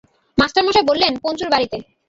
মাস্টারমশায় বললেন, পঞ্চুর বাড়িতে।